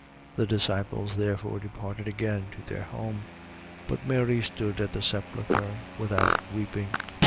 The disciples therefore departed again to their home. 20:11. But Mary stood at the sepulchre without, weeping.